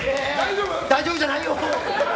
大丈夫じゃないよ！